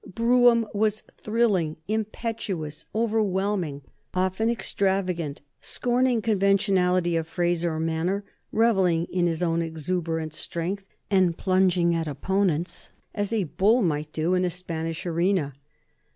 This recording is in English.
Brougham was thrilling, impetuous, overwhelming, often extravagant, scorning conventionality of phrase or manner, revelling in his own exuberant strength and plunging at opponents as a bull might do in a Spanish arena.